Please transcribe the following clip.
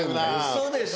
そうです。